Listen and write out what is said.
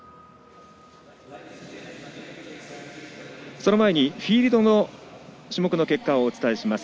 その前にフィールド種目の結果をお伝えします。